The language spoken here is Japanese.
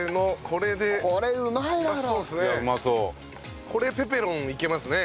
これペペロンいけますね。